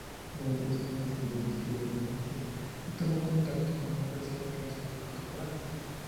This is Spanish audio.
Durante estos años siguió escribiendo versos y tomó contacto con la poesía francesa contemporánea.